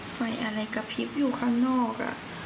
ไฟอะไรกระพริบอยู่ข้างนอก